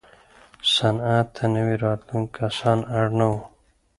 صنعت ته نوي راتلونکي کسان اړ نه وو.